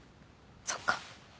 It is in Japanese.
そっか。